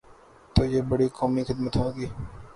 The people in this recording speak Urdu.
تو یہ بڑی قومی خدمت ہو گی۔